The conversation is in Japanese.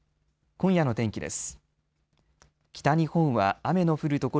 今夜の天気です。